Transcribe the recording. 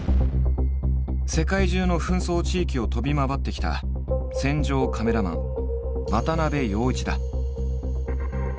世界中の紛争地域を飛び回ってきた戦場カメラマン渡部陽一だ。